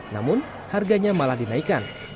namun harganya malah dinaikan